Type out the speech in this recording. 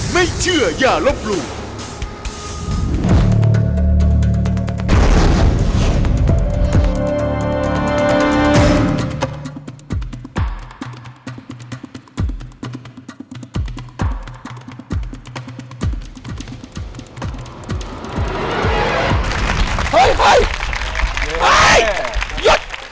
เฮ้ยเฮ้ยเฮ้ย